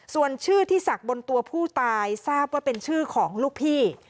ส่วนชื่อที่ศักดิ์บนตัวผู้ตายทราบว่าเป็นชื่อของลูกพี่